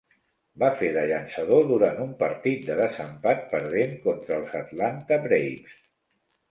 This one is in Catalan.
Va fer de llançador durant un partit de desempat perdent contra els Atlanta Braves.